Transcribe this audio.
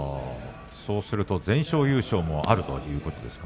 すると全勝優勝もあるということですか。